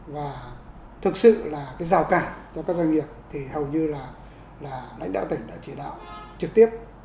và thực sự là cái rào cản cho các doanh nghiệp thì hầu như là lãnh đạo tỉnh đã chỉ đạo trực tiếp